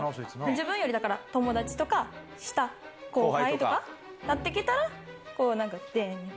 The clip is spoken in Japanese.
自分よりだから、友達とか下、後輩とか、なってきたら、こう。